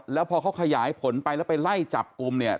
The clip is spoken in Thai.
แล้วพอเขาขยายผลไปแล้วไปไล่จับกลุ่มเนี่ย